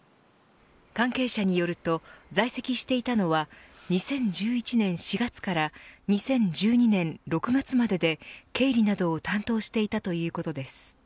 関係者によると在籍していたのは２０１１年４月から２０１２年６月までで経理などを担当していたということです。